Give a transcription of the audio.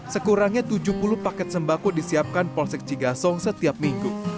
sekurangnya tujuh puluh paket sembako disiapkan polsek cigasong setiap minggu